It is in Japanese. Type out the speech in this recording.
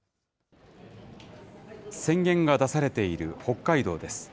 宣言が出されている北海道です。